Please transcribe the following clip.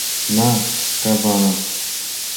— На кабанов.